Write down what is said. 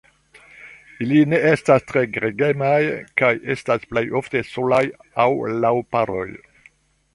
Ili ne estas tre gregemaj kaj estas plej ofte solaj aŭ laŭ paroj.